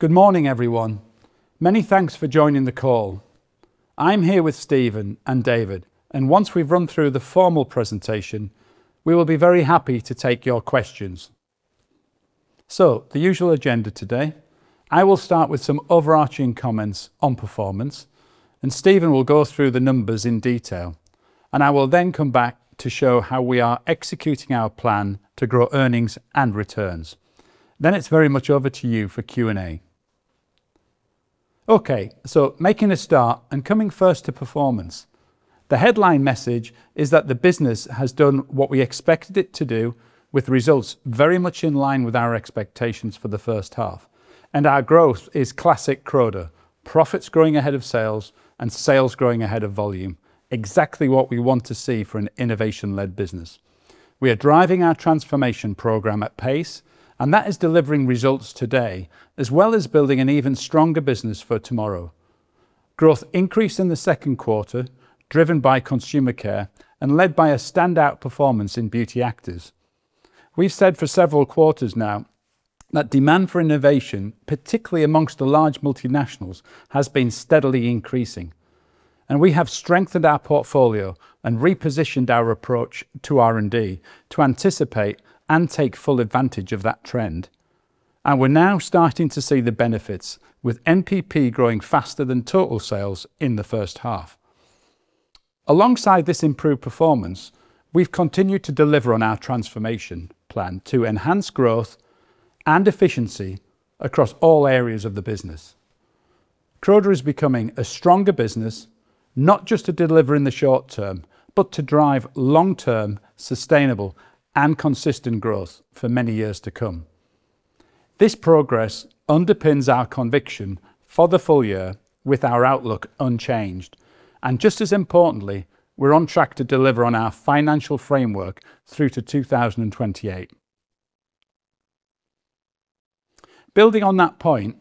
Good morning, everyone. Many thanks for joining the call. I'm here with Stephen and David, and once we've run through the formal presentation, we will be very happy to take your questions. The usual agenda today, I will start with some overarching comments on performance, Stephen will go through the numbers in detail, and I will then come back to show how we are executing our plan to grow earnings and returns. It's very much over to you for Q&A. Making a start and coming first to performance. The headline message is that the business has done what we expected it to do with results very much in line with our expectations for the first half. Our growth is classic Croda: profits growing ahead of sales, and sales growing ahead of volume. Exactly what we want to see for an innovation-led business. We are driving our transformation program at pace, that is delivering results today, as well as building an even stronger business for tomorrow. Growth increased in the second quarter, driven by Consumer Care and led by a standout performance in Beauty Actives. We've said for several quarters now that demand for innovation, particularly amongst the large multinationals, has been steadily increasing, and we have strengthened our portfolio and repositioned our approach to R&D to anticipate and take full advantage of that trend. We're now starting to see the benefits with NPP growing faster than total sales in the first half. Alongside this improved performance, we've continued to deliver on our transformation plan to enhance growth and efficiency across all areas of the business. Croda is becoming a stronger business, not just to deliver in the short term, but to drive long-term, sustainable, and consistent growth for many years to come. This progress underpins our conviction for the full year with our outlook unchanged. Just as importantly, we're on track to deliver on our financial framework through to 2028. Building on that point,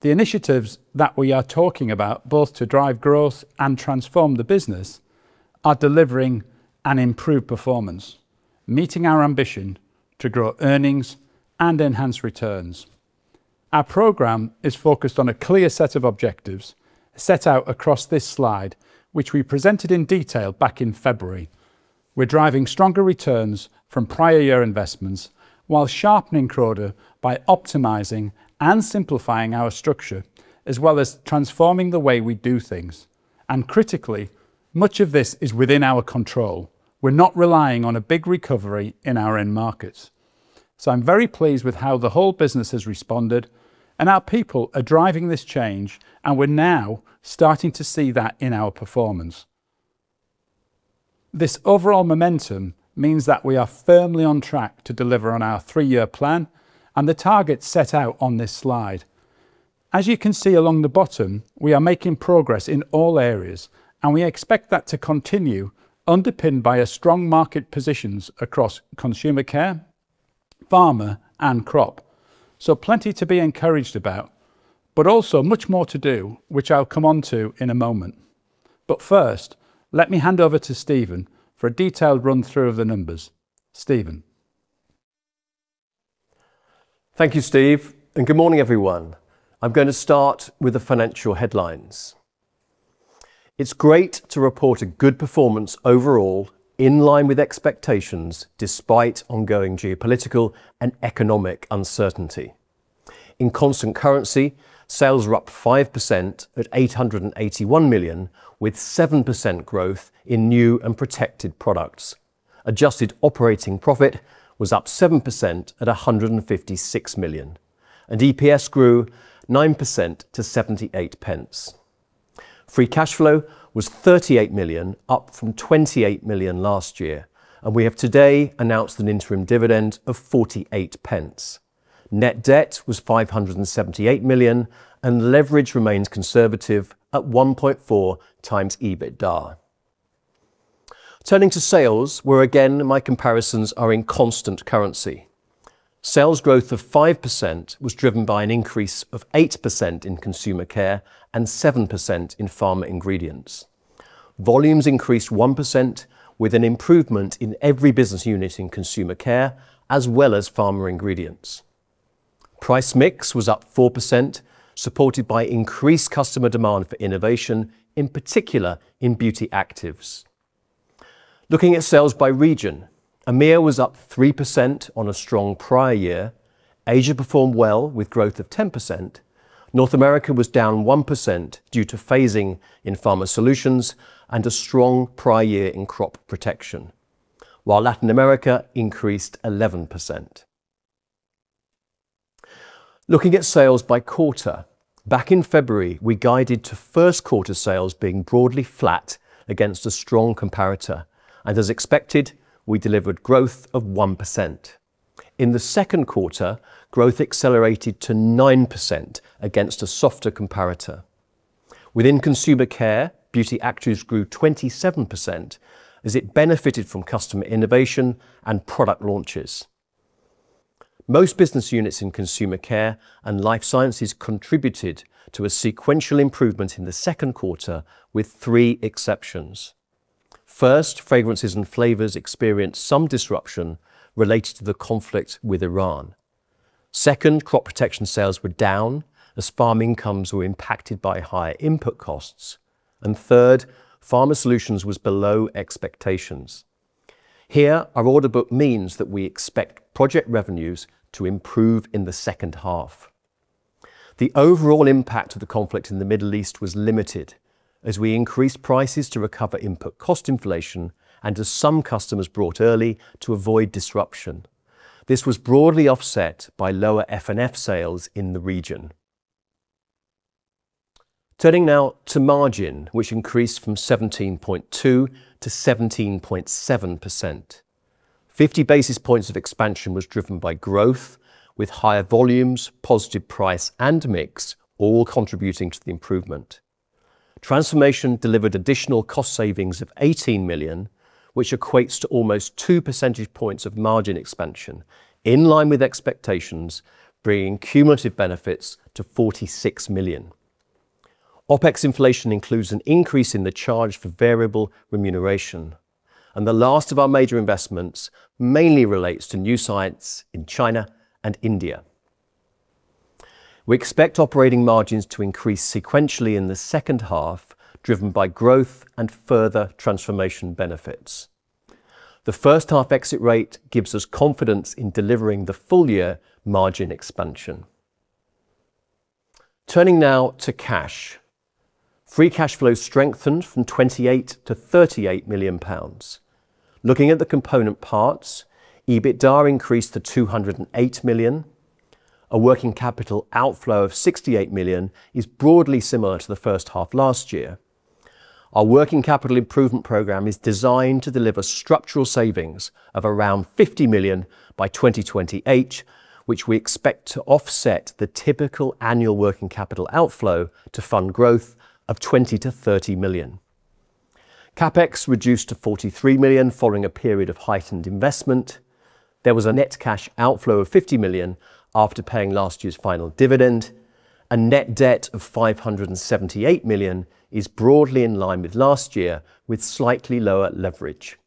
the initiatives that we are talking about, both to drive growth and transform the business, are delivering an improved performance, meeting our ambition to grow earnings and enhance returns. Our program is focused on a clear set of objectives set out across this slide, which we presented in detail back in February. We're driving stronger returns from prior year investments while sharpening Croda by optimizing and simplifying our structure, as well as transforming the way we do things. Critically, much of this is within our control. We're not relying on a big recovery in our end markets. I'm very pleased with how the whole business has responded, our people are driving this change, and we're now starting to see that in our performance. This overall momentum means that we are firmly on track to deliver on our three-year plan and the targets set out on this slide. As you can see along the bottom, we are making progress in all areas, and we expect that to continue underpinned by strong market positions across Consumer Care, Pharma, and Crop. Plenty to be encouraged about, also much more to do, which I'll come onto in a moment. First, let me hand over to Stephen for a detailed run-through of the numbers. Stephen? Thank you, Steve, and good morning, everyone. I'm going to start with the financial headlines. It's great to report a good performance overall, in line with expectations despite ongoing geopolitical and economic uncertainty. In constant currency, sales were up 5% at 881 million, with 7% growth in New and Protected Products. Adjusted Operating Profit was up 7% at 156 million, and EPS grew 9% to 0.78. Free cash flow was 38 million, up from 28 million last year, and we have today announced an interim dividend of 0.48. Net debt was 578 million, and leverage remains conservative at 1.4 times EBITDA. Turning to sales, where again, my comparisons are in constant currency. Sales growth of 5% was driven by an increase of 8% in Consumer Care and 7% in Pharma Ingredients. Volumes increased 1% with an improvement in every business unit in Consumer Care as well as Pharma Ingredients. Price mix was up 4%, supported by increased customer demand for innovation, in particular in Beauty Actives. Looking at sales by region, EMEA was up 3% on a strong prior year. Asia performed well with growth of 10%. North America was down 1% due to phasing in Pharma Solutions and a strong prior year in Crop Protection, while Latin America increased 11%. Looking at sales by quarter, back in February, we guided to first quarter sales being broadly flat against a strong comparator, and as expected, we delivered growth of 1%. In the second quarter, growth accelerated to 9% against a softer comparator. Within Consumer Care, Beauty Actives grew 27% as it benefited from customer innovation and product launches. Most business units in Consumer Care and Life Sciences contributed to a sequential improvement in the second quarter with three exceptions. First, Fragrances and Flavours experienced some disruption related to the conflict with Iran. Second, Crop Protection sales were down as farm incomes were impacted by higher input costs. Third, Pharma Solutions was below expectations. Here, our order book means that we expect project revenues to improve in the second half. The overall impact of the conflict in the Middle East was limited as we increased prices to recover input cost inflation and as some customers bought early to avoid disruption. This was broadly offset by lower F&F sales in the region. Turning now to margin, which increased from 17.2%-17.7%. 50 basis points of expansion was driven by growth with higher volumes, positive price, and mix all contributing to the improvement. Transformation delivered additional cost savings of 18 million, which equates to almost two percentage points of margin expansion, in line with expectations, bringing cumulative benefits to 46 million. OPEX inflation includes an increase in the charge for variable remuneration. The last of our major investments mainly relates to new sites in China and India. We expect operating margins to increase sequentially in the second half, driven by growth and further transformation benefits. The first half exit rate gives us confidence in delivering the full year margin expansion. Turning now to cash. Free cash flow strengthened from 28 million-38 million pounds. Looking at the component parts, EBITDA increased to 208 million. A working capital outflow of 68 million is broadly similar to the first half last year. Our working capital improvement program is designed to deliver structural savings of around £50 million by 2028, which we expect to offset the typical annual working capital outflow to fund growth of £20 million-£30 million. CapEx reduced to £43 million following a period of heightened investment. There was a net cash outflow of £50 million after paying last year's final dividend. A net debt of £578 million is broadly in line with last year, with slightly lower leverage.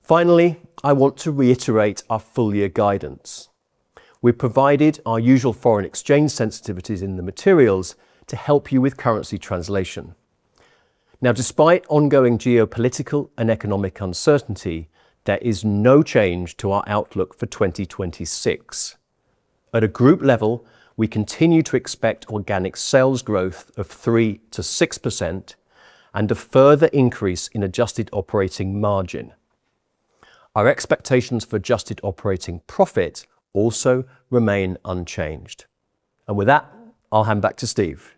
Finally, I want to reiterate our full year guidance. We've provided our usual foreign exchange sensitivities in the materials to help you with currency translation. Despite ongoing geopolitical and economic uncertainty, there is no change to our outlook for 2026. At a group level, we continue to expect organic sales growth of 3%-6% and a further increase in adjusted operating margin. Our expectations for adjusted operating profit also remain unchanged. With that, I'll hand back to Steve.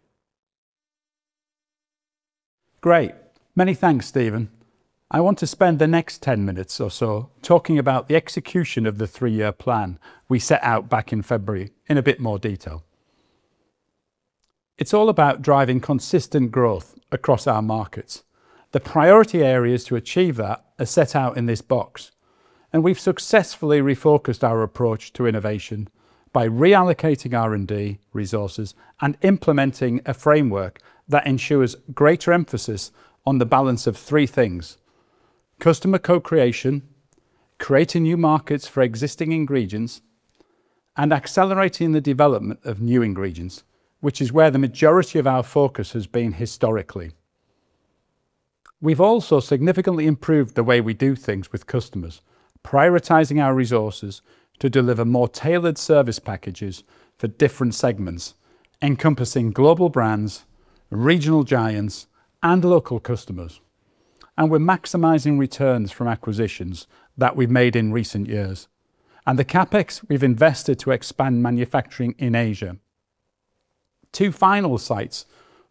Great. Many thanks, Stephen. I want to spend the next 10 minutes or so talking about the execution of the three-year plan we set out back in February in a bit more detail. It's all about driving consistent growth across our markets. The priority areas to achieve that are set out in this box. We've successfully refocused our approach to innovation by reallocating R&D resources and implementing a framework that ensures greater emphasis on the balance of three things: customer co-creation, creating new markets for existing ingredients, and accelerating the development of new ingredients, which is where the majority of our focus has been historically. We've also significantly improved the way we do things with customers, prioritizing our resources to deliver more tailored service packages for different segments, encompassing global brands, regional giants, and local customers. We're maximizing returns from acquisitions that we've made in recent years and the CapEx we've invested to expand manufacturing in Asia. Two final sites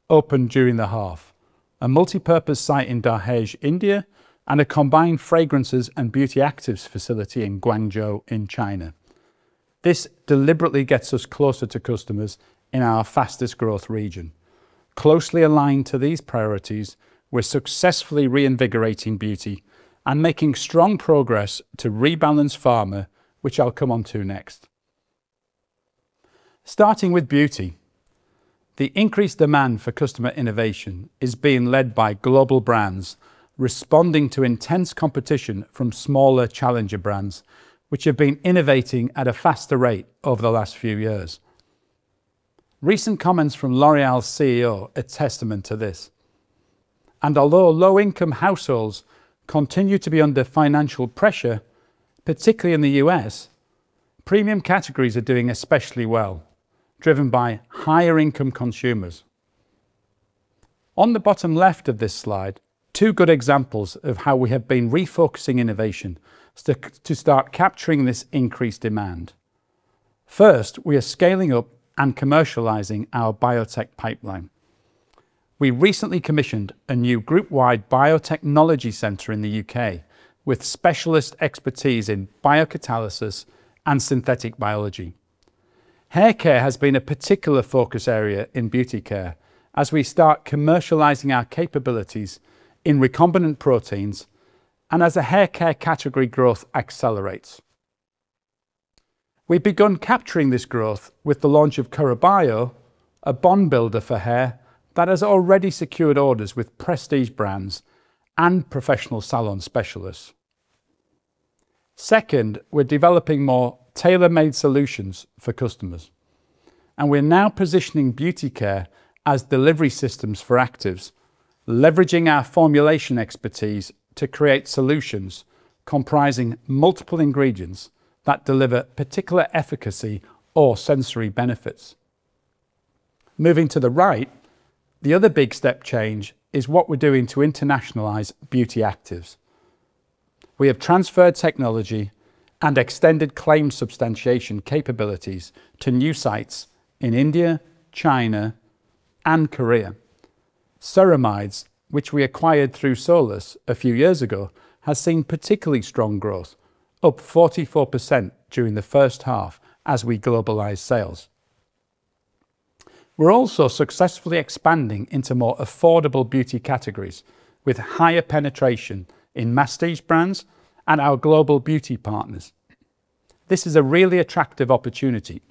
opened during the half, a multipurpose site in Dahej, India, and a combined Fragrances and Beauty Actives facility in Guangzhou in China. This deliberately gets us closer to customers in our fastest growth region. Closely aligned to these priorities, we're successfully reinvigorating beauty and making strong progress to rebalance pharma, which I'll come onto next. Starting with beauty, the increased demand for customer innovation is being led by global brands responding to intense competition from smaller challenger brands, which have been innovating at a faster rate over the last few years. Recent comments from L'Oréal's CEO are testament to this. Although low income households continue to be under financial pressure, particularly in the U.S., premium categories are doing especially well, driven by higher income consumers. On the bottom left of this slide, two good examples of how we have been refocusing innovation to start capturing this increased demand. First, we are scaling up and commercializing our biotech pipeline. We recently commissioned a new group-wide biotechnology center in the U.K. with specialist expertise in biocatalysis and synthetic biology. Hair care has been a particular focus area in Beauty Care as we start commercializing our capabilities in recombinant proteins and as the hair care category growth accelerates. We've begun capturing this growth with the launch of Curabio, a bond builder for hair that has already secured orders with prestige brands and professional salon specialists. Second, we're developing more tailor-made solutions for customers. We're now positioning Beauty Care as delivery systems for Actives, leveraging our formulation expertise to create solutions comprising multiple ingredients that deliver particular efficacy or sensory benefits. Moving to the right, the other big step change is what we're doing to internationalize Beauty Actives. We have transferred technology and extended claim substantiation capabilities to new sites in India, China, and Korea. Ceramides, which we acquired through Solus a few years ago, has seen particularly strong growth, up 44% during the first half as we globalize sales. We're also successfully expanding into more affordable beauty categories with higher penetration in masstige brands and our global beauty partners. This is a really attractive opportunity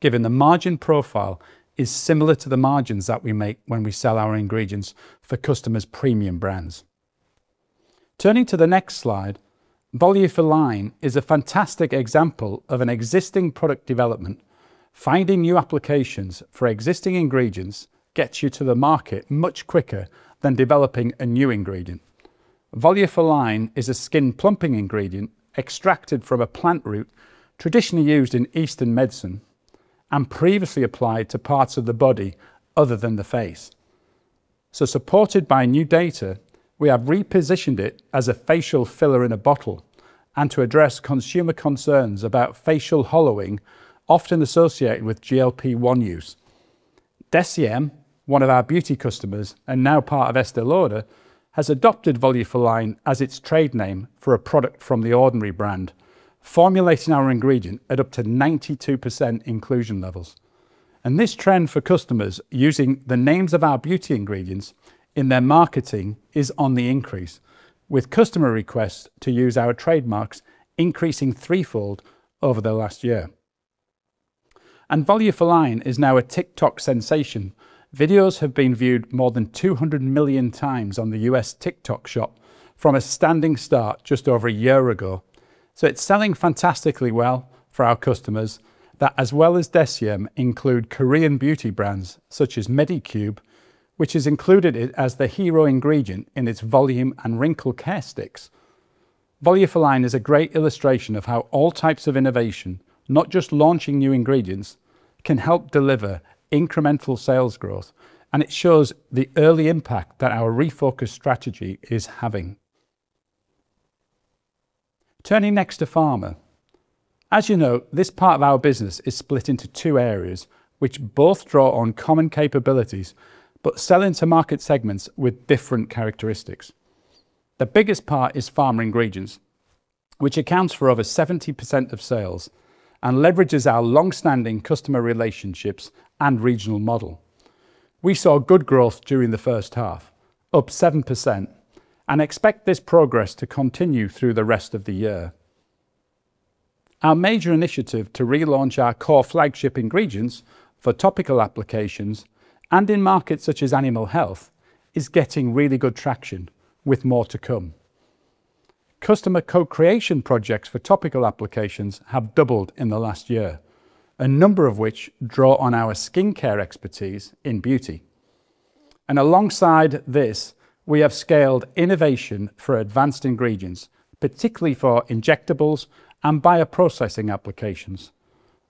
given the margin profile is similar to the margins that we make when we sell our ingredients for customers' premium brands. Turning to the next slide, Volufiline is a fantastic example of an existing product development. Finding new applications for existing ingredients gets you to the market much quicker than developing a new ingredient. Volufiline is a skin-plumping ingredient extracted from a plant root traditionally used in Eastern medicine and previously applied to parts of the body other than the face. Supported by new data, we have repositioned it as a facial filler in a bottle and to address consumer concerns about facial hollowing, often associated with GLP-1 use. Deciem, one of our beauty customers and now part of Estée Lauder, has adopted Volufiline as its trade name for a product from The Ordinary brand, formulating our ingredient at up to 92% inclusion levels. This trend for customers using the names of our beauty ingredients in their marketing is on the increase, with customer requests to use our trademarks increasing threefold over the last year. Volufiline is now a TikTok sensation. Videos have been viewed more than 200 million times on the U.S. TikTok shop from a standing start just over a year ago. It's selling fantastically well for our customers that, as well as Deciem, include Korean beauty brands such as Medicube, which has included it as the hero ingredient in its volume and wrinkle care sticks. Volufiline is a great illustration of how all types of innovation, not just launching new ingredients, can help deliver incremental sales growth, and it shows the early impact that our refocused strategy is having. Turning next to Pharma. As you know, this part of our business is split into two areas which both draw on common capabilities but sell into market segments with different characteristics. The biggest part is Pharma Ingredients, which accounts for over 70% of sales and leverages our longstanding customer relationships and regional model. We saw good growth during the first half, up 7%, and expect this progress to continue through the rest of the year. Our major initiative to relaunch our core flagship ingredients for topical applications and in markets such as animal health is getting really good traction with more to come. Customer co-creation projects for topical applications have doubled in the last year, a number of which draw on our skincare expertise in beauty. Alongside this, we have scaled innovation for advanced ingredients, particularly for injectables and bioprocessing applications.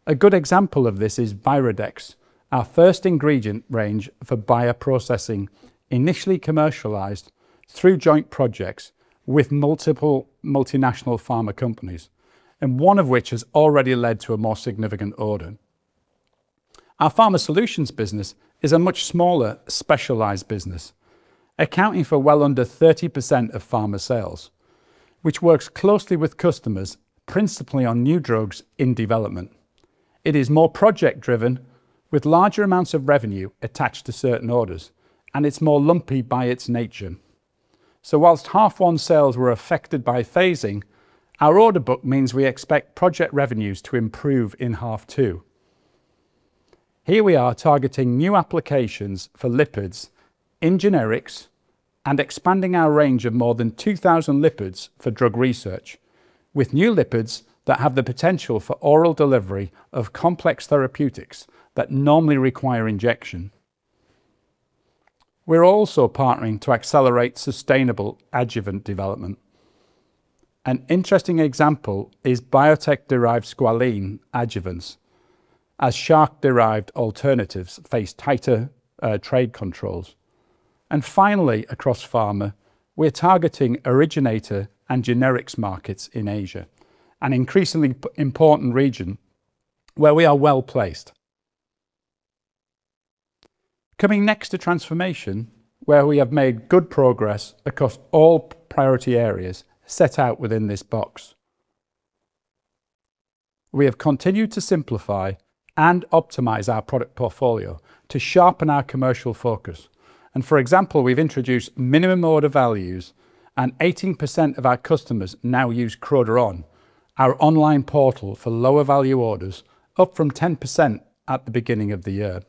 A good example of this is Virodex, our first ingredient range for bioprocessing, initially commercialized through joint projects with multiple multinational Pharma companies, and one of which has already led to a more significant order. Our Pharma Solutions business is a much smaller, specialized business, accounting for well under 30% of Pharma sales, which works closely with customers, principally on new drugs in development. It is more project driven with larger amounts of revenue attached to certain orders, and it's more lumpy by its nature. Whilst half one sales were affected by phasing, our order book means we expect project revenues to improve in half two. Here we are targeting new applications for lipids in generics and expanding our range of more than 2,000 lipids for drug research with new lipids that have the potential for oral delivery of complex therapeutics that normally require injection. We're also partnering to accelerate sustainable adjuvant development. An interesting example is biotech-derived squalene adjuvants, as shark-derived alternatives face tighter trade controls. Finally, across Pharma, we're targeting originator and generics markets in Asia, an increasingly important region where we are well-placed. Coming next to transformation, where we have made good progress across all priority areas set out within this box. We have continued to simplify and optimize our product portfolio to sharpen our commercial focus. For example, we've introduced minimum order values and 18% of our customers now use CrodaON, our online portal for lower value orders, up from 10% at the beginning of the year.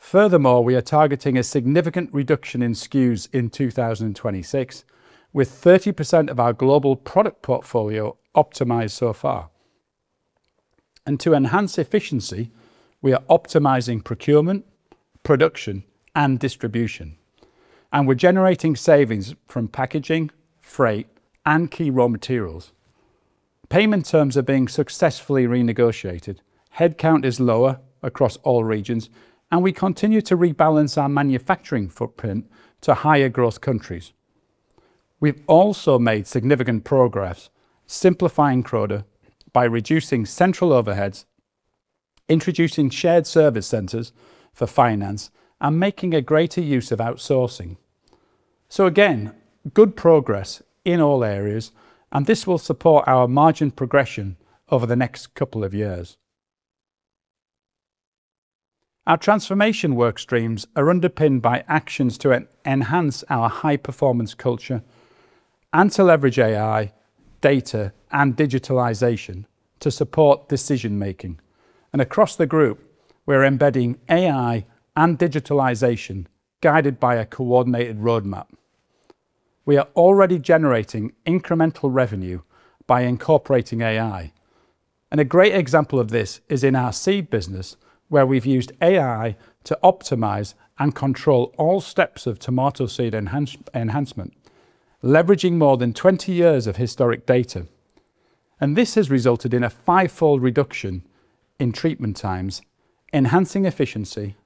Furthermore, we are targeting a significant reduction in SKUs in 2026, with 30% of our global product portfolio optimized so far. To enhance efficiency, we are optimizing procurement, production, and distribution, and we're generating savings from packaging, freight, and key raw materials. Payment terms are being successfully renegotiated. Headcount is lower across all regions, and we continue to rebalance our manufacturing footprint to higher growth countries. We've also made significant progress simplifying Croda by reducing central overheads, introducing shared service centers for finance, and making a greater use of outsourcing. Again, good progress in all areas, and this will support our margin progression over the next couple of years. Our transformation work streams are underpinned by actions to enhance our high-performance culture and to leverage AI, data, and digitalization to support decision making. Across the group, we're embedding AI and digitalization guided by a coordinated roadmap. We are already generating incremental revenue by incorporating AI. A great example of this is in our Seed business, where we've used AI to optimize and control all steps of tomato Seed Enhancement, leveraging more than 20 years of historic data. This has resulted in a fivefold reduction in treatment times, enhancing efficiency,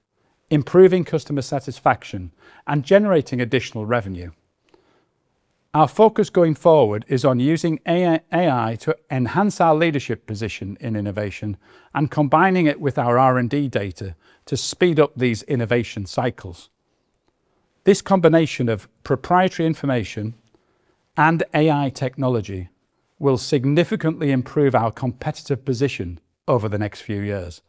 improving customer satisfaction, and generating additional revenue. Our focus going forward is on using AI to enhance our leadership position in innovation and combining it with our R&D data to speed up these innovation cycles. This combination of proprietary information and AI technology will significantly improve our competitive position over the next few years.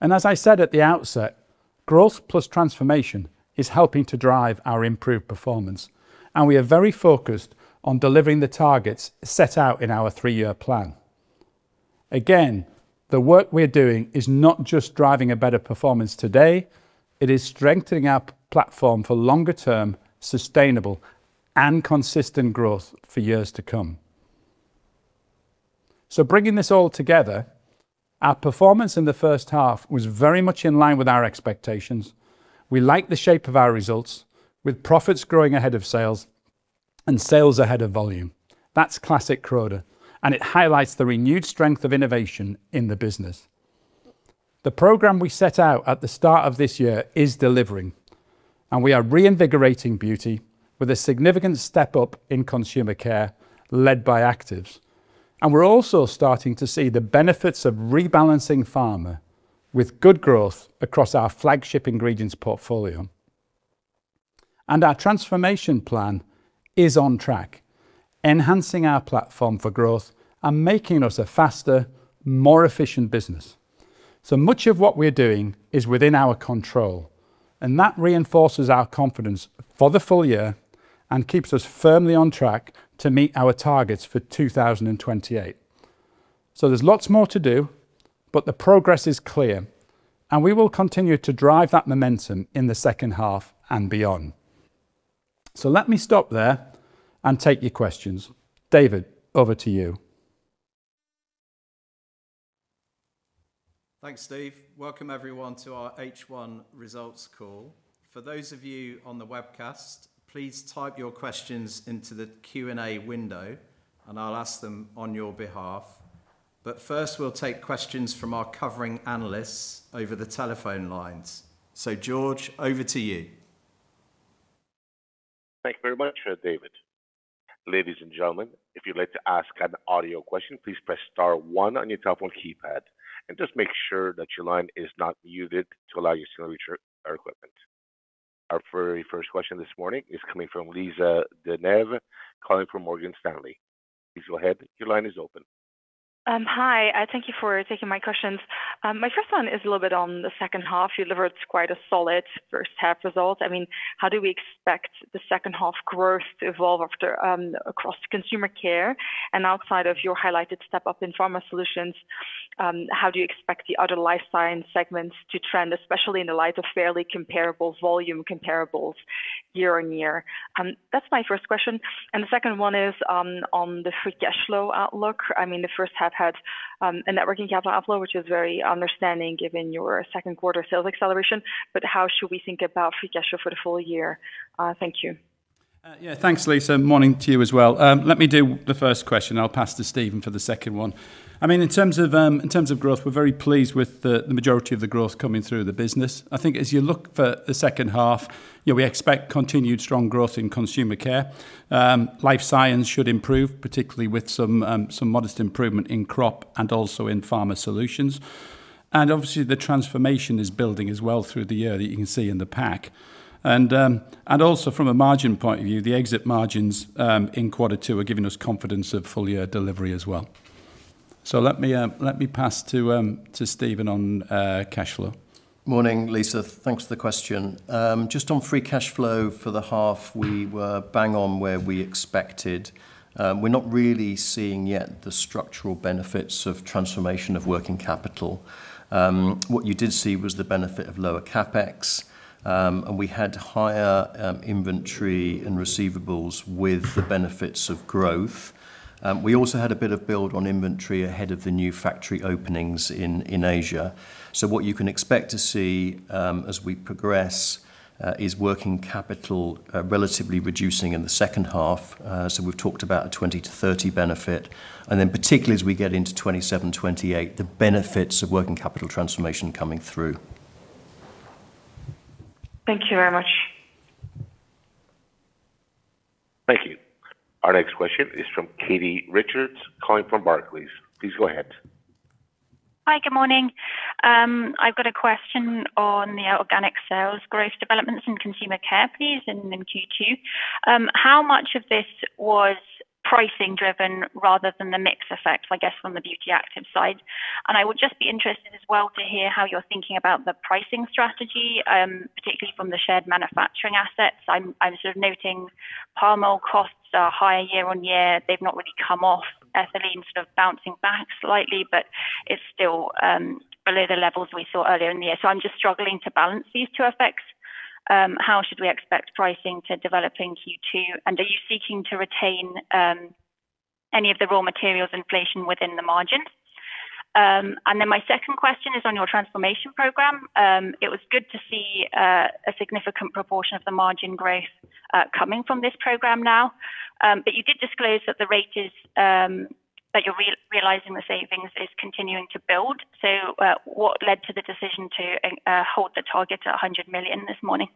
As I said at the outset, growth plus transformation is helping to drive our improved performance, and we are very focused on delivering the targets set out in our three-year plan. The work we're doing is not just driving a better performance today, it is strengthening our platform for longer-term, sustainable, and consistent growth for years to come. Bringing this all together, our performance in the first half was very much in line with our expectations. We like the shape of our results, with profits growing ahead of sales and sales ahead of volume. That's classic Croda, and it highlights the renewed strength of innovation in the business. The program we set out at the start of this year is delivering, and we are reinvigorating Beauty with a significant step up in Consumer Care led by Actives. We're also starting to see the benefits of rebalancing Pharma with good growth across our flagship ingredients portfolio. Our transformation plan is on track, enhancing our platform for growth and making us a faster, more efficient business. Much of what we're doing is within our control, and that reinforces our confidence for the full year and keeps us firmly on track to meet our targets for 2028. There's lots more to do, but the progress is clear, and we will continue to drive that momentum in the second half and beyond. Let me stop there and take your questions. David, over to you. Thanks, Steve. Welcome, everyone, to our H1 results call. For those of you on the webcast, please type your questions into the Q&A window and I'll ask them on your behalf. First, we'll take questions from our covering analysts over the telephone lines. George, over to you. Thank you very much, David. Ladies and gentlemen, if you would like to ask an audio question, please press star one on your telephone keypad and just make sure that your line is not muted to allow you to reach our equipment. Our very first question this morning is coming from Lisa De Neve, calling from Morgan Stanley. Please go ahead. Your line is open. Hi. Thank you for taking my questions. My first one is a little bit on the second half. You delivered quite a solid first half result. How do we expect the second half growth to evolve across Consumer Care, and outside of your highlighted step up in Pharma Solutions, how do you expect the other Life Sciences segments to trend, especially in the light of fairly comparable volume comparables year-on-year? That's my first question. And the second one is on the free cash flow outlook. The first half had a net working capital outflow, which is very understanding given your second quarter sales acceleration, but how should we think about free cash flow for the full year? Thank you. Yeah. Thanks, Lisa. Morning to you as well. Let me do the first question. I will pass to Stephen for the second one. In terms of growth, we are very pleased with the majority of the growth coming through the business. I think as you look for the second half, we expect continued strong growth in Consumer Care. Life Sciences should improve, particularly with some modest improvement in Crop and also in Pharma Solutions. And obviously the transformation is building as well through the year that you can see in the pack. And also from a margin point of view, the exit margins in quarter two are giving us confidence of full-year delivery as well. So let me pass to Stephen on cash flow. Morning, Lisa. Thanks for the question. Just on free cash flow for the half, we were bang on where we expected. We are not really seeing yet the structural benefits of transformation of working capital. What you did see was the benefit of lower CapEx, and we had higher inventory and receivables with the benefits of growth. We also had a bit of build on inventory ahead of the new factory openings in Asia. So what you can expect to see as we progress is working capital relatively reducing in the second half. So we have talked about a 20-30 benefit, and then particularly as we get into 2027, 2028, the benefits of working capital transformation coming through. Thank you very much. Thank you. Our next question is from Katie Richards calling from Barclays. Please go ahead. Hi, good morning. I've got a question on the organic sales growth developments in Consumer Care, please, in Q2. How much of this was pricing driven rather than the mix effect, I guess, from the Beauty Active side? I would just be interested as well to hear how you're thinking about the pricing strategy, particularly from the shared manufacturing assets. I'm sort of noting palm oil costs are higher year-on-year. They've not really come off. Ethylene sort of bouncing back slightly, but it's still below the levels we saw earlier in the year. I'm just struggling to balance these two effects. How should we expect pricing to develop in Q2? Are you seeking to retain any of the raw materials inflation within the margin? My second question is on your transformation program. It was good to see a significant proportion of the margin growth coming from this program now. You did disclose that the rate that you're realizing the savings is continuing to build. What led to the decision to hold the target at 100 million this morning?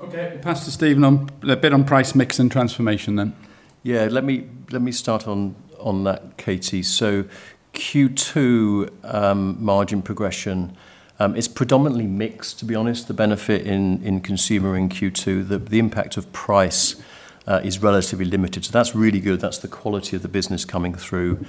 Okay. Pass to Stephen on a bit on price mix and transformation then. Yeah, let me start on that, Katie. Q2 margin progression is predominantly mix, to be honest, the benefit in Consumer in Q2, the impact of price is relatively limited. That's really good. That's the quality of the business coming through,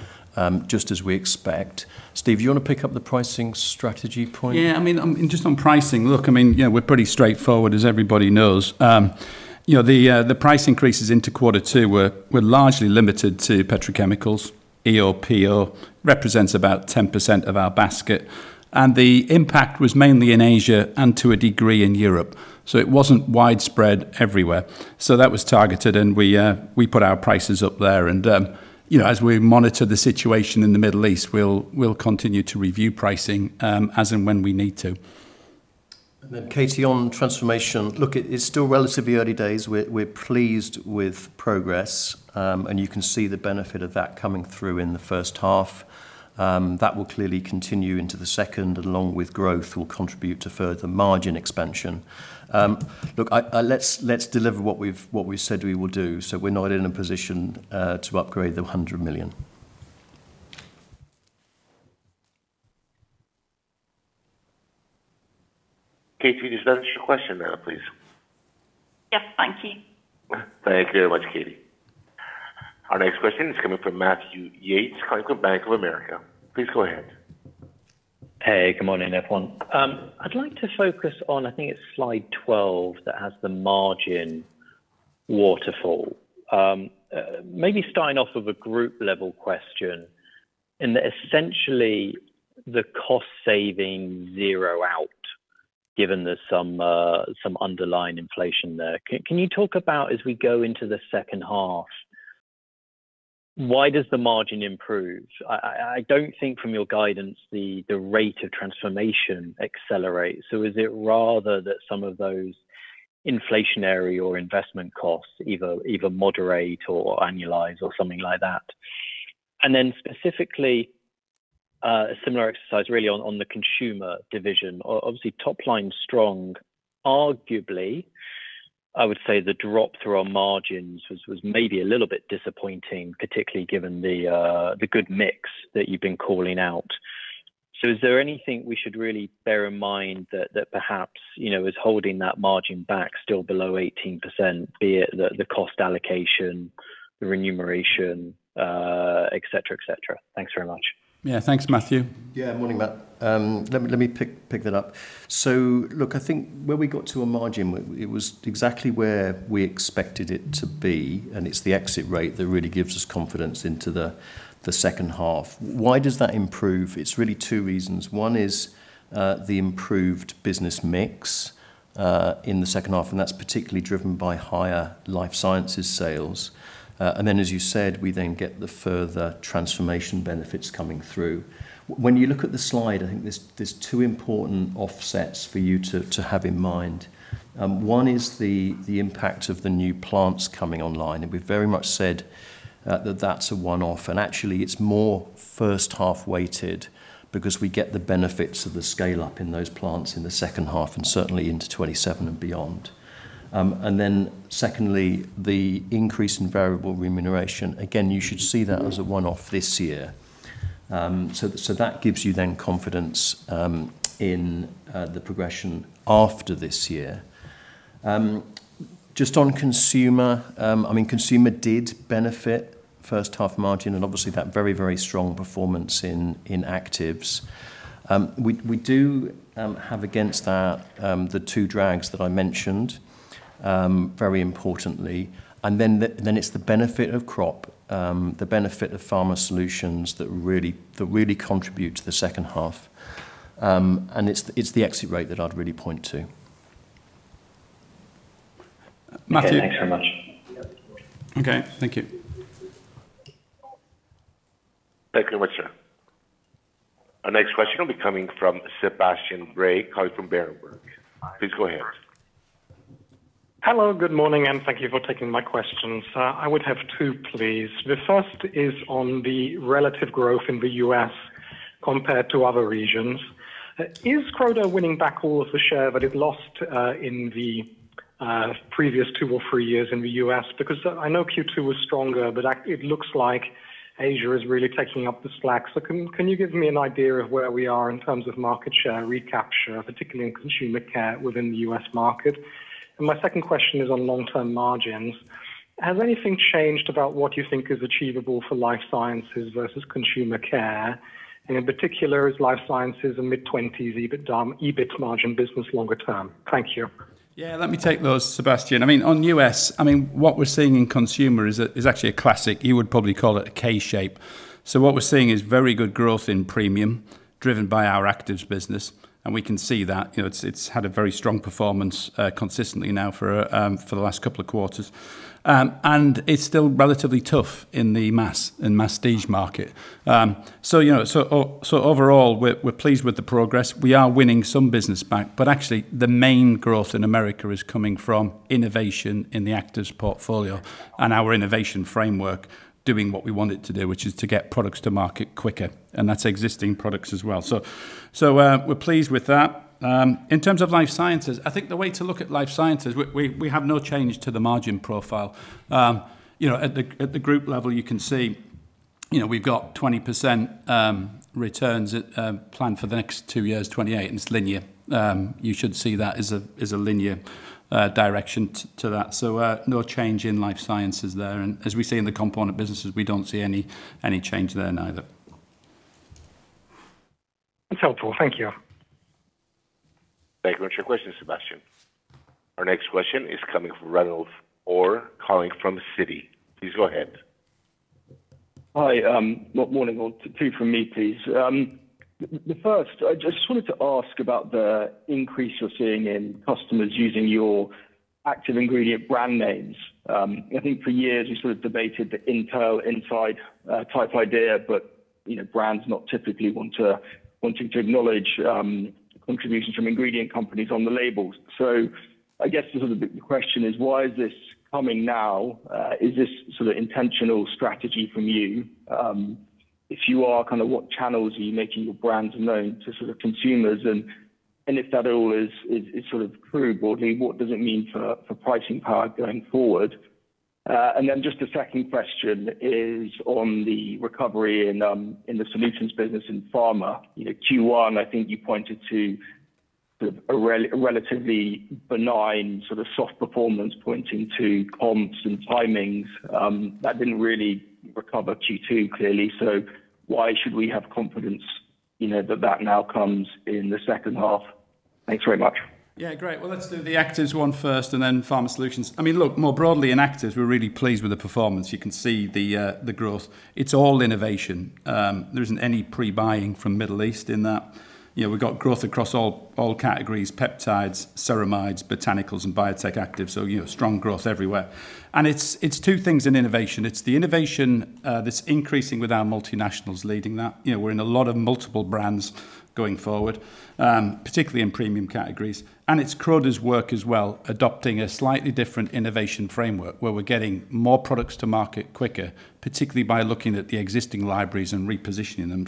just as we expect. Steve, you want to pick up the pricing strategy point? Yeah, just on pricing, look, we're pretty straightforward, as everybody knows. The price increases into quarter two were largely limited to petrochemicals. EO/PO represents about 10% of our basket, and the impact was mainly in Asia and to a degree in Europe. It wasn't widespread everywhere. That was targeted, and we put our prices up there. As we monitor the situation in the Middle East, we'll continue to review pricing as and when we need to. Then Katie, on transformation, look, it's still relatively early days. We're pleased with progress. You can see the benefit of that coming through in the first half. That will clearly continue into the second, along with growth will contribute to further margin expansion. Look, let's deliver what we've said we will do. We're not in a position to upgrade the 100 million. Katie, is that your question there, please? Yeah. Thank you. Thank you very much, Katie. Our next question is coming from Matthew Yates calling from Bank of America. Please go ahead. Hey, good morning, everyone. I'd like to focus on, I think it's slide 12 that has the margin waterfall. Maybe starting off with a group level question in essentially the cost savings zero out, given there's some underlying inflation there. Can you talk about as we go into the second half, why does the margin improve? I don't think from your guidance the rate of transformation accelerates. Is it rather that some of those inflationary or investment costs either moderate or annualize or something like that? Specifically, a similar exercise really on the consumer division, obviously top line strong. Arguably, I would say the drop through our margins was maybe a little bit disappointing, particularly given the good mix that you've been calling out. Is there anything we should really bear in mind that perhaps is holding that margin back still below 18%, be it the cost allocation, the remuneration et cetera? Thanks very much. Yeah. Thanks, Matthew. Yeah. Morning, Matt. Let me pick that up. Look, I think where we got to a margin, it was exactly where we expected it to be, and it's the exit rate that really gives us confidence into the second half. Why does that improve? It's really two reasons. One is the improved business mix in the second half, and that's particularly driven by higher Life Sciences sales. As you said, we then get the further transformation benefits coming through. When you look at the slide, I think there's two important offsets for you to have in mind. One is the impact of the new plants coming online, and we've very much said that that's a one-off, and actually it's more first-half weighted because we get the benefits of the scale-up in those plants in the second half and certainly into 2027 and beyond. Secondly, the increase in variable remuneration. Again, you should see that as a one-off this year. That gives you then confidence in the progression after this year. Just on consumer did benefit first half margin, and obviously that very, very strong performance in Actives. We do have against that the two drags that I mentioned, very importantly, and then it's the benefit of Crop, the benefit of Pharma Solutions that really contribute to the second half. It's the exit rate that I'd really point to. Matthew? Okay, thanks very much. Okay, thank you. Thank you very much, sir. Our next question will be coming from Sebastian Bray calling from Berenberg. Please go ahead. Hello, good morning. Thank you for taking my questions. I would have two, please. The first is on the relative growth in the U.S. compared to other regions. Is Croda winning back all of the share that it lost in the previous two or three years in the U.S.? I know Q2 was stronger. It looks like Asia is really taking up the slack. Can you give me an idea of where we are in terms of market share recapture, particularly in Consumer Care within the U.S. market? My second question is on long-term margins. Has anything changed about what you think is achievable for Life Sciences versus Consumer Care, and in particular, is Life Sciences a mid-20%s EBIT margin business longer term? Thank you. Let me take those, Sebastian. On U.S., what we're seeing in Consumer is actually a classic, you would probably call it a K-shape. What we're seeing is very good growth in premium driven by our Actives business. We can see that. It's had a very strong performance consistently now for the last couple of quarters. It's still relatively tough in masstige market. Overall, we're pleased with the progress. We are winning some business back. Actually the main growth in America is coming from innovation in the Actives portfolio and our innovation framework doing what we want it to do, which is to get products to market quicker. That's existing products as well. We're pleased with that. In terms of Life Sciences, I think the way to look at Life Sciences, we have no change to the margin profile. At the group level, you can see we've got 20% returns planned for the next two years, 28. It's linear. You should see that as a linear direction to that. No change in Life Sciences there. As we say in the component businesses, we don't see any change there neither. That's helpful. Thank you. Thank you very much for your question, Sebastian. Our next question is coming from Ranulf Orr calling from Citi. Please go ahead. Hi, good morning. Two from me, please. The first, I just wanted to ask about the increase you're seeing in customers using your active ingredient brand names. I think for years you sort of debated the Intel Inside type idea, but brands not typically wanting to acknowledge contributions from ingredient companies on the labels. I guess the sort of question is, why is this coming now? Is this sort of intentional strategy from you? If you are, kind of what channels are you making your brands known to sort of consumers? And if that all is sort of true broadly, what does it mean for pricing power going forward? The second question is on the recovery in the solutions business in pharma. Q1, I think you pointed to sort of a relatively benign sort of soft performance pointing to comps and timings. That didn't really recover Q2 clearly, why should we have confidence that that now comes in the second half? Thanks very much. Great. Well, let's do the Actives one first and then Pharma Solutions. Look, more broadly in Actives, we're really pleased with the performance. You can see the growth. It's all innovation. There isn't any pre-buying from Middle East in that. We've got growth across all categories, peptides, ceramides, botanicals, and biotech Actives. Strong growth everywhere. It's two things in innovation. It's the innovation that's increasing with our multinationals leading that. We're in a lot of multiple brands going forward, particularly in premium categories. It's Croda's work as well, adopting a slightly different innovation framework where we're getting more products to market quicker, particularly by looking at the existing libraries and repositioning them.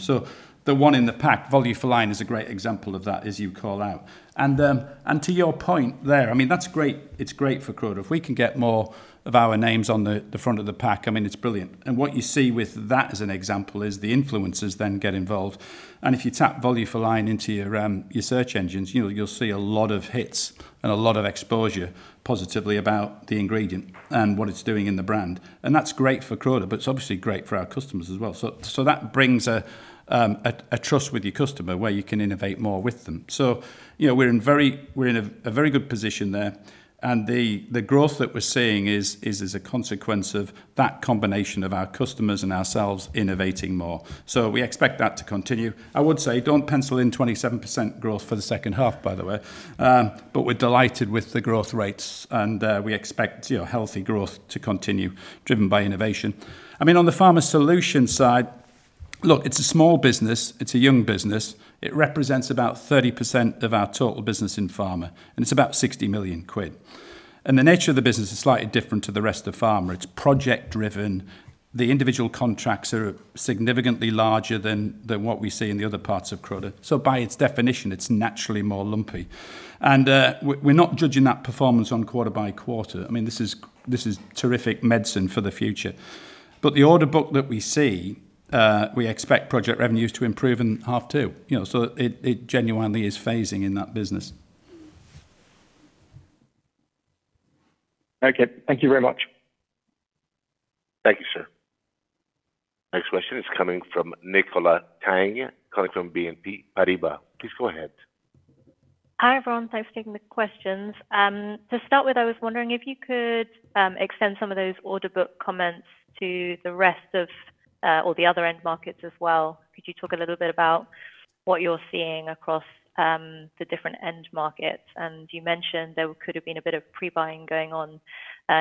The one in the pack, Volufiline, is a great example of that as you call out. To your point there, that's great. It's great for Croda. If we can get more of our names on the front of the pack, it is brilliant. What you see with that as an example is the influencers then get involved. If you tap Volufiline into your search engines, you will see a lot of hits and a lot of exposure positively about the ingredient and what it is doing in the brand. That is great for Croda, but it is obviously great for our customers as well. That brings a trust with your customer where you can innovate more with them. We are in a very good position there, and the growth that we are seeing is as a consequence of that combination of our customers and ourselves innovating more. We expect that to continue. I would say don't pencil in 27% growth for the second half, by the way. We are delighted with the growth rates and we expect healthy growth to continue driven by innovation. On the Pharma Solutions side, look, it is a small business. It is a young business. It represents about 30% of our total business in pharma, and it is about 60 million quid. The nature of the business is slightly different to the rest of pharma. It is project driven. The individual contracts are significantly larger than what we see in the other parts of Croda. By its definition, it is naturally more lumpy. We are not judging that performance on quarter by quarter. This is terrific medicine for the future. The order book that we see, we expect project revenues to improve in half two. It genuinely is phasing in that business. Okay. Thank you very much. Thank you, sir. Next question is coming from Nicola Tang, calling from BNP Paribas. Please go ahead. Hi, everyone. Thanks for taking the questions. To start with, I was wondering if you could extend some of those order book comments to the rest of all the other end markets as well. Could you talk a little bit about what you are seeing across the different end markets? You mentioned there could have been a bit of pre-buying going on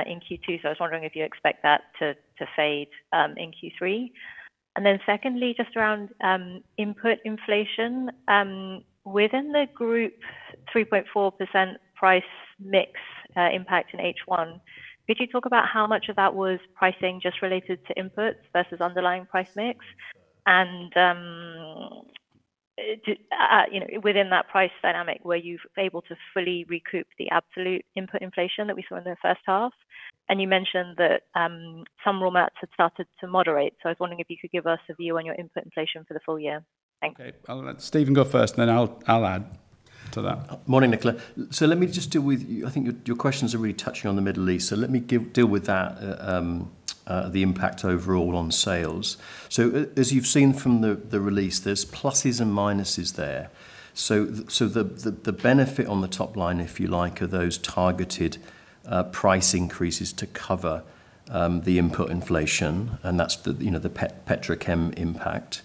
in Q2. I was wondering if you expect that to fade in Q3. Secondly, just around input inflation. Within the group 3.4% price mix impact in H1, could you talk about how much of that was pricing just related to inputs versus underlying price mix? Within that price dynamic, were you able to fully recoup the absolute input inflation that we saw in the first half? You mentioned that some raw mats had started to moderate, so I was wondering if you could give us a view on your input inflation for the full year. Thanks. Okay. I'll let Stephen go first, and then I'll add to that. Morning, Nicola. Let me just deal with you. I think your questions are really touching on the Middle East, so let me deal with that the impact overall on sales. As you've seen from the release, there's pluses and minuses there. The benefit on the top line, if you like, are those targeted price increases to cover the input inflation, and that's the petrochem impact.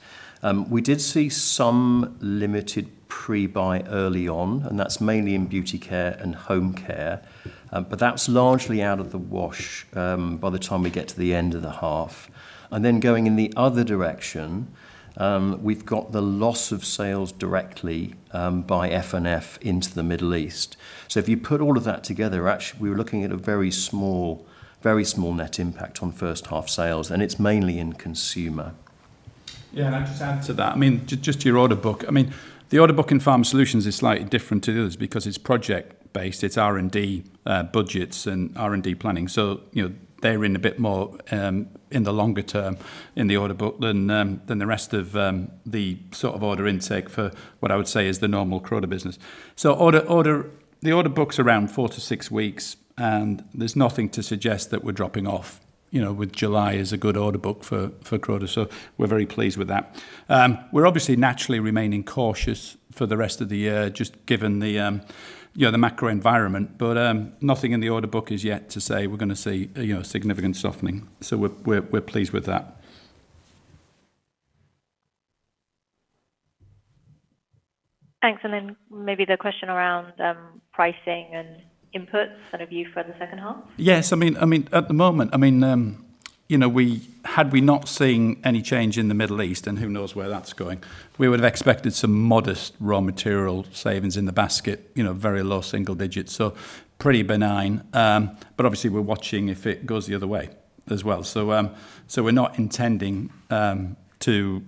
We did see some limited pre-buy early on, and that's mainly in Beauty Care and Home Care. That's largely out of the wash by the time we get to the end of the half. Going in the other direction, we've got the loss of sales directly by F&F into the Middle East. If you put all of that together, actually, we were looking at a very small net impact on first half sales, and it's mainly in consumer. Can I just add to that? Just to your order book. The order book in Pharma Solutions is slightly different to the others because it's project based. It's R&D budgets and R&D planning. They're in a bit more in the longer term in the order book than the rest of the order intake for what I would say is the normal Croda business. The order book's around four to six weeks, and there's nothing to suggest that we're dropping off. With July is a good order book for Croda, so we're very pleased with that. We're obviously naturally remaining cautious for the rest of the year, just given the macro environment. Nothing in the order book is yet to say we're going to see a significant softening. We're pleased with that. Thanks. Maybe the question around pricing and inputs and a view for the second half. Yes. At the moment, had we not seen any change in the Middle East, and who knows where that's going, we would have expected some modest raw material savings in the basket. Very low single digits, so pretty benign. Obviously, we're watching if it goes the other way as well. We're not intending to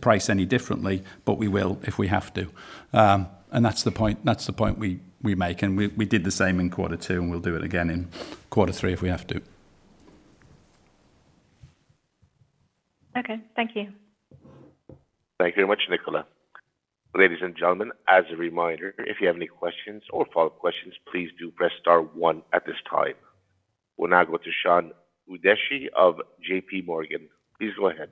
price any differently, but we will if we have to. That's the point we make, and we did the same in quarter two, and we'll do it again in quarter three if we have to. Okay. Thank you. Thank you very much, Nicola. Ladies and gentlemen, as a reminder, if you have any questions or follow-up questions, please do press star one at this time. We'll now go to Chetan Udeshi of JPMorgan. Please go ahead.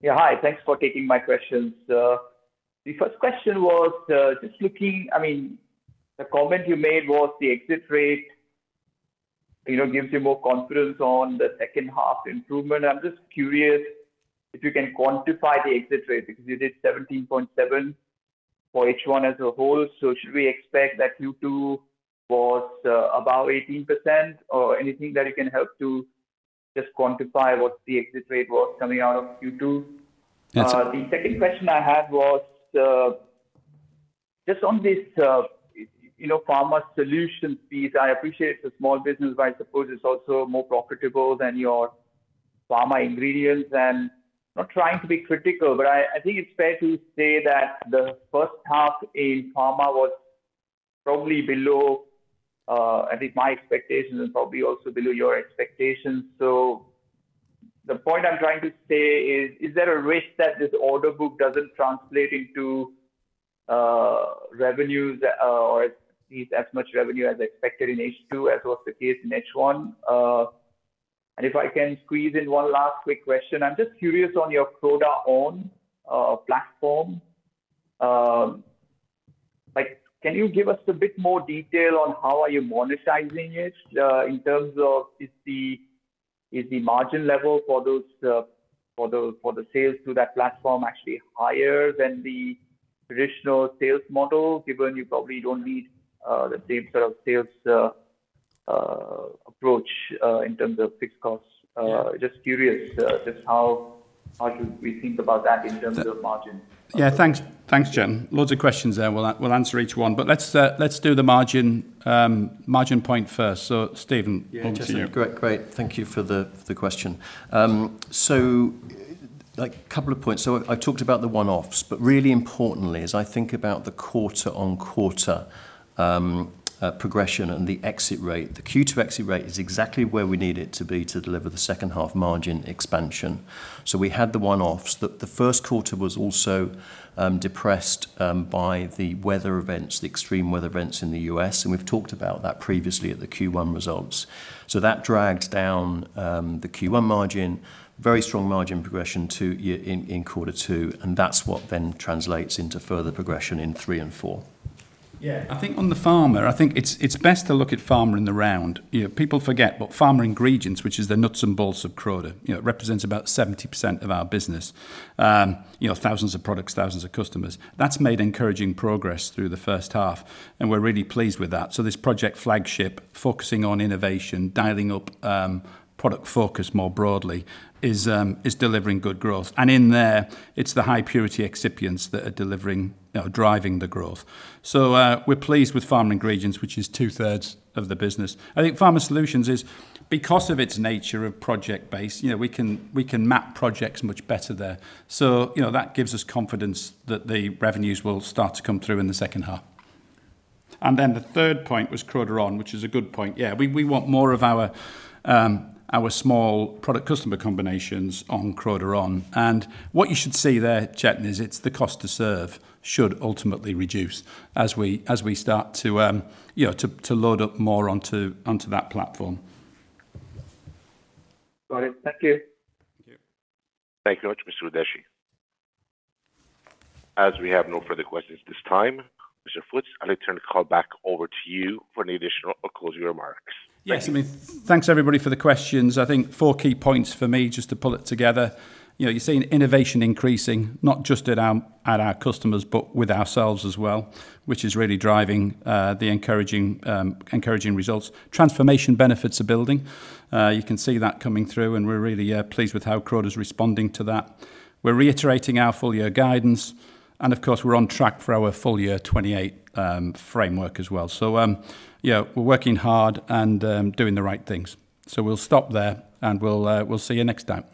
Yeah. Hi. Thanks for taking my questions. The first question was the comment you made was the exit rate gives you more confidence on the second half improvement. I'm just curious if you can quantify the exit rate, because you did 17.7% for H1 as a whole. Should we expect that Q2 was above 18% or anything that you can help to just quantify what the exit rate was coming out of Q2? That's- The second question I had was just on this Pharma Solutions piece. I appreciate it's a small business, but I suppose it's also more profitable than your Pharma Ingredients and not trying to be critical, but I think it's fair to say that the first half in pharma was probably below, I think, my expectations and probably also below your expectations. The point I'm trying to say is there a risk that this order book doesn't translate into revenues or at least as much revenue as expected in H2, as was the case in H1? If I can squeeze in one last quick question. I'm just curious on your CrodaON platform. Can you give us a bit more detail on how are you monetizing it in terms of is the margin level for the sales to that platform actually higher than the traditional sales model, given you probably don't need the same sort of sales approach in terms of fixed costs? Yeah. Just curious how should we think about that in terms of margin? Thanks. Thanks, Chetan. Loads of questions there. We'll answer each one. Let's do the margin point first. Stephen, over to you. Chetan, great. Thank you for the question. Couple of points. I talked about the one-offs, really importantly is I think about the quarter-on-quarter Progression and the exit rate. The Q2 exit rate is exactly where we need it to be to deliver the second half margin expansion. We had the one-offs. The first quarter was also depressed by the weather events, the extreme weather events in the U.S., and we've talked about that previously at the Q1 results. That dragged down the Q1 margin. Very strong margin progression in quarter two, and that's what translates into further progression in three and four. I think on the Pharma, I think it's best to look at Pharma in the round. People forget, Pharma Ingredients, which is the nuts and bolts of Croda, represents about 70% of our business. Thousands of products, thousands of customers. That's made encouraging progress through the first half, and we're really pleased with that. This project flagship focusing on innovation, dialing up product focus more broadly, is delivering good growth. In there, it's the high-purity excipients that are driving the growth. We're pleased with Pharma Ingredients, which is two-thirds of the business. I think Pharma Solutions is, because of its nature of project-based, we can map projects much better there. That gives us confidence that the revenues will start to come through in the second half. The third point was CrodaON, which is a good point. We want more of our small product customer combinations on CrodaON. What you should see there, Chetan, is the cost to serve should ultimately reduce as we start to load up more onto that platform. Got it. Thank you. Thank you. Thank you very much, Mr. Udeshi. As we have no further questions at this time, Mr. Foots, I'll now turn the call back over to you for any additional or closing remarks. Yes. Thanks, everybody for the questions. I think four key points for me, just to pull it together. You're seeing innovation increasing, not just at our customers, but with ourselves as well, which is really driving the encouraging results. Transformation benefits are building. You can see that coming through, and we're really pleased with how Croda's responding to that. We're reiterating our full year guidance. Of course, we're on track for our full year 2028 framework as well. We're working hard and doing the right things. We'll stop there and we'll see you next time.